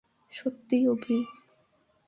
সত্যিই, অভি!